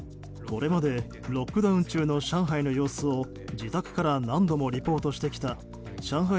これまでロックダウン中の上海の様子を自宅から何度もリポートしてきた上海